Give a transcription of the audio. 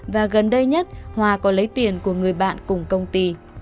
và gần đây nhất hòa có lấy tiền của người bạn cùng công ty